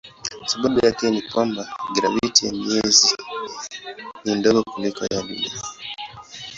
Sababu yake ni ya kwamba graviti ya mwezi ni ndogo kuliko duniani.